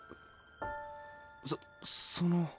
そっその。